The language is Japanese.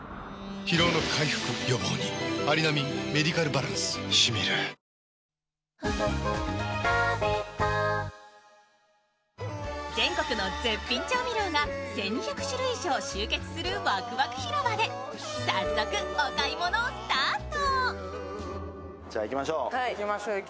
「ハミング」史上Ｎｏ．１抗菌全国の絶品調味料が１２００種類以上集結するわくわく広場で早速お買い物スタート。